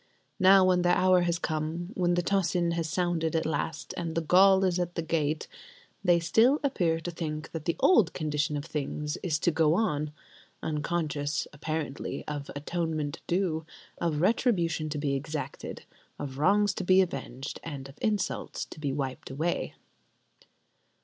Now, when their hour has come, when the tocsin has sounded at last, and the Gaul is at the gate, they still appear to think that the old condition of things is to go on; unconscious, apparently, of atonement due, of retribution to be exacted, of wrongs to be avenged and of insults to be wiped away!